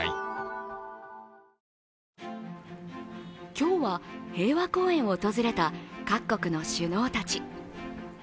今日は平和公園を訪れた各国の首脳たち。